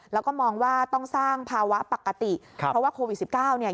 แล้วก็มองว่าต้องสร้างภาวะปกติครับเพราะว่าโควิดสิบเก้าเนี่ย